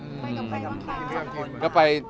ไปกับใครต่าง